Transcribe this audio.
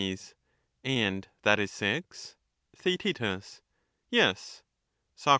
And that is six ? Theaet. Yes. Soc.